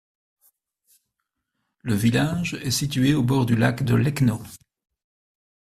Le village est situé au bord du lac de Łekno.